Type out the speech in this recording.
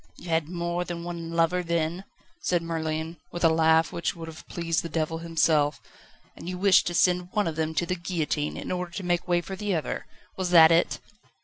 "You had more than one lover, then?" said Merlin, with a laugh which would have pleased the devil himself. "And you wished to send one of them to the guillotine in order to make way for the other? Was that it?"